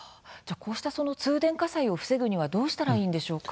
通電火災を防ぐにはどうしたらいいのでしょうか？